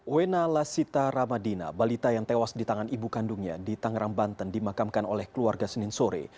wena lasita ramadina balita yang tewas di tangan ibu kandungnya di tangerang banten dimakamkan oleh keluarga senin sore